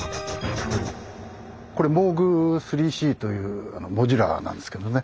これＭＯＯＧ３−Ｃというモジュラーなんですけどね